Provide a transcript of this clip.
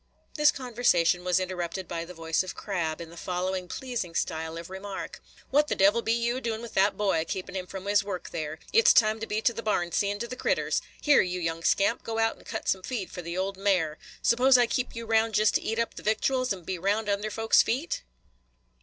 This conversation was interrupted by the voice of Crab, in the following pleasing style of remark: "What the devil be you a doin' with that boy, – keepin' him from his work there? It 's time to be to the barn seein' to the critters. Here, you young scamp, go out and cut some feed for the old mare. Suppose I keep you round jest to eat up the victuals and be round under folks' feet?"